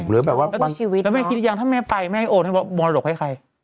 ใช่คู่ชีวิตเนอะแล้วมายังคิดอย่างนั้นถ้าแม่ไปแม่โอนมอลกให้ใคร